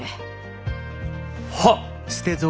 はっ。